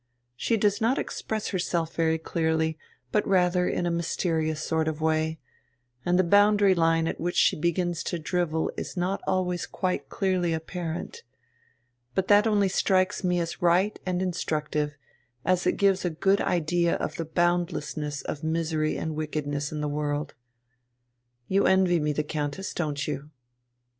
She does not express herself very clearly, but rather in a mysterious sort of way, and the boundary line at which she begins to drivel is not always quite clearly apparent. But that only strikes me as right and instructive, as it gives a good idea of the boundlessness of misery and wickedness in the world. You envy me the Countess, don't you?"